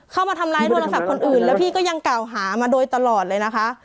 เข้ามาทำร้ายโทรศัพท์คนอื่นแล้วพี่ก็ยังกล่าวหามาโดยตลอดเลยนะคะ